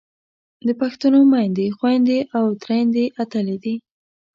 د پښتنو میندې، خویندې او ترېیندې اتلې دي.